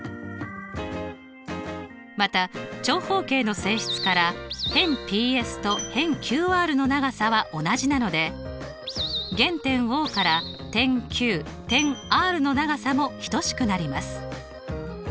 また長方形の性質から辺ＰＳと辺ＱＲの長さは同じなので原点Ｏから点Ｑ点Ｒの長さも等しくなります。